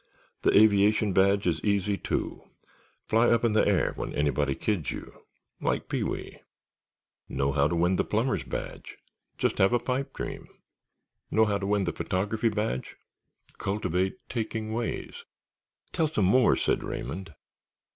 The Aviation Badge is easy, too. Fly up in the air when anybody kids you—like Pee wee. Know how to win the Plumbers' Badge? Just have a pipe dream. Know how to win the Photography Badge? Cultivate taking ways." "Tell some more," said Raymond.